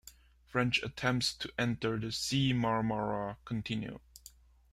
French attempts to enter the Sea of Marmara continued.